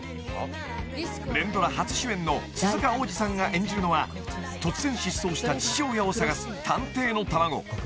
［連ドラ初主演の鈴鹿央士さんが演じるのは突然失踪した父親を捜す探偵の卵］